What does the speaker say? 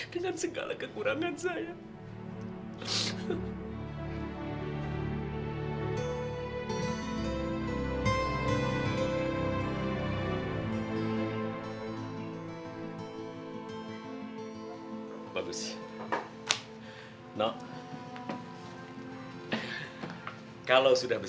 ampuni saya ya allah